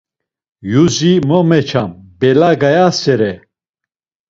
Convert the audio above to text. Yuzi mo meçam, bela gayasere.